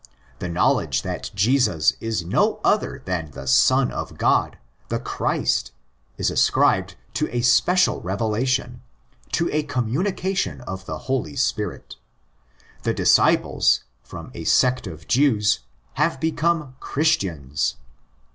The knowledge that Jesus is no other than the Son of God, the Christ, is ascribed to a special revelation, to a com munication of the Holy Spirit. The " disciples,"' from a sect of Jews, have become ' Christians."